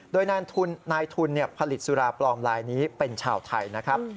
โดยนายทุนผลิตสุราปลอมลายนี้เป็นชาวไทยนะครับ